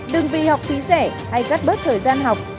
đừng vì học phí rẻ hay cắt bớt thời gian học